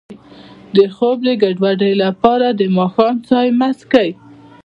د خوب د ګډوډۍ لپاره د ماښام چای مه څښئ